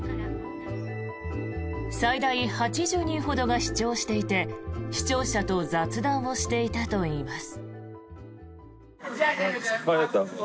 最大８０人ほどが視聴していて視聴者と雑談をしていたといいます。